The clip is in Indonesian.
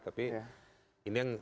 tapi ini yang